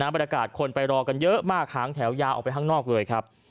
บรรยากาศคนไปรอกันเยอะมากหางแถวยาวออกไปข้างนอกเลยครับ